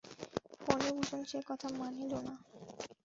ফণিভূষণ সে কথা মানিল না।